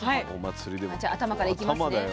じゃあ頭からいきますね。